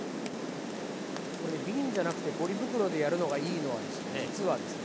これね瓶じゃなくてポリ袋でやるのがいいのはですね実はですね